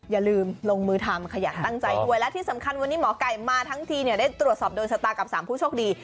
อย่าลืมลงมือทำขยันตั้งใจด้วยและที่สำคัญวันนี้หมอไก่มาทั้งทีเนี่ยได้ตรวจสอบโดนชะตากับ๓ผู้โชคดี